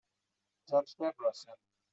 Judge Debra sent me.